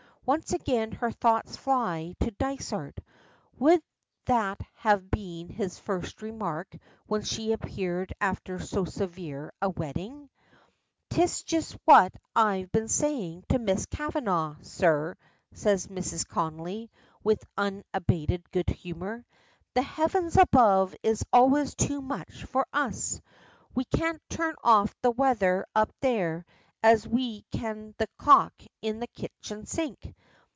Once again her thoughts fly to Dysart. Would that have been his first remark when she appeared after so severe a wetting? "'Tis just what I've been sayin' to Miss Kavanagh, sir," says Mrs. Connolly, with unabated good humor. "The heavens above is always too much for us. We can't turn off the wather up there as we can the cock in the kitchen sink.